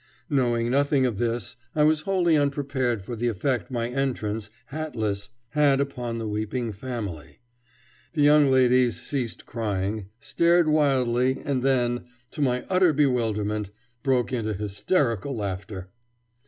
Knowing nothing of this, I was wholly unprepared for the effect my entrance, hatless, had upon the weeping family. The young ladies ceased crying, stared wildly, and then, to my utter bewilderment, broke into hysterical laughter.